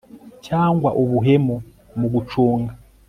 cyangwa ubuhemu mu gucunga